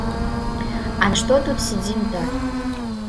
— А на что тут сидим-то?